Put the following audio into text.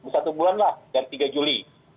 satu bulan lah dari tiga juli